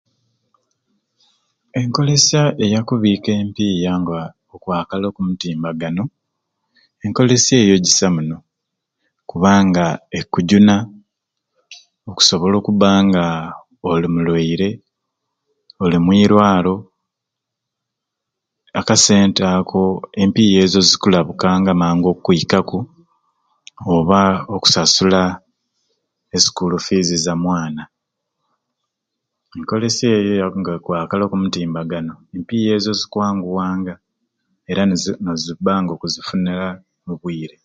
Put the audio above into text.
Enkolesya eya kubiik'empiiya nga okwakala oku mutimbagano enkolesya eyo gisa muno kubanga ekkujjuna okusobola okubba nga oli mulwaire oli mwirwaro akasente ako empiiy'ezo zikulabukanga mangu okkwikaku oba okusasula e sikuulu fiizi za mwana enkolesya eyo ya nga okwakala oku mutimbagano empiiya ezo zikwanguwanga era nizi nozibba nga okuzifunira omu bwire.